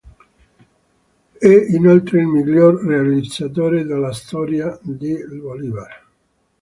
È inoltre il miglior realizzatore della storia del Bolívar.